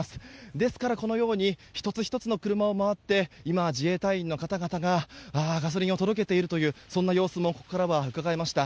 ですからこのように１つ１つの車を回って今、自衛隊員の方々がガソリンを届けているというそんな様子もうかがえました。